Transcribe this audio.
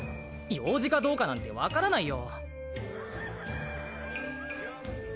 用事かどうかなんてわからないよ！